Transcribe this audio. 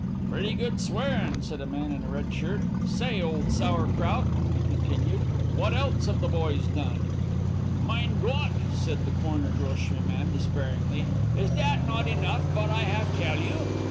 "'Pretty good swearin,' said a man in a red shirt. 'Say, old sour krout,' he continued, 'what else have the boys done?' "'Mine Gott!' said the corner grocery man, despairingly, 'is dat not enough vat I have tell you?